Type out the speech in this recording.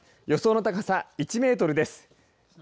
予想の高さ１メートルです。